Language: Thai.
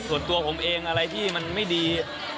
ส่วนตัวผมเองอะไรที่มันไม่ดี